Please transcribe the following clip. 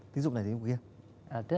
tính dục này tính dục kia